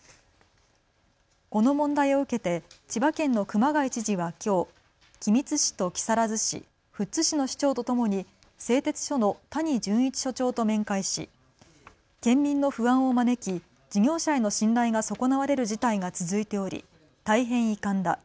この問題を受けて千葉県の熊谷知事はきょう君津市と木更津市、富津市の市長とともに製鉄所の谷潤一所長と面会し県民の不安を招き事業者への信頼が損なわれる事態が続いており大変遺憾だ。